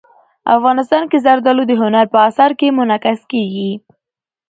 افغانستان کې زردالو د هنر په اثار کې منعکس کېږي.